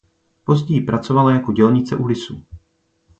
Později pracovala jako dělnice u lisu.